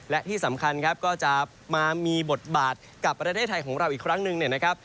และที่สำคัญครับก็จะมามีบทบาทกับประเทศไทยของเราอีกครั้งหนึ่งเนี่ยนะครับ